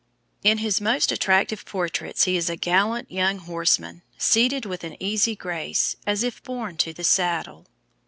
In his most attractive portraits he is a gallant young horseman, seated with an easy grace, as if born to the saddle.